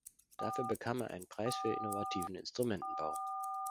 Dafür bekam er einen Preis für innovativen Instrumentenbau.